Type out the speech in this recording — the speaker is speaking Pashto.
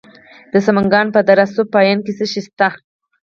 د سمنګان په دره صوف پاین کې څه شی شته؟